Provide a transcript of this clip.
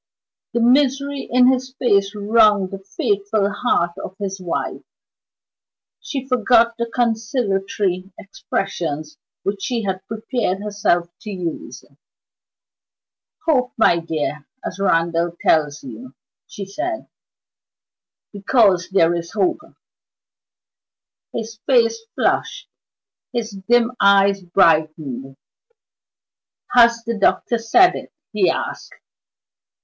The misery in his face wrung the faithful heart of his wife. She forgot the conciliatory expressions which she had prepared herself to use. "Hope, my dear, as Randal tells you," she said, "because there is hope." His face flushed, his dim eyes brightened. "Has the doctor said it?" he asked.